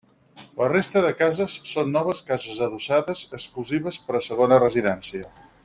La resta de cases són noves cases adossades exclusives per a segona residència.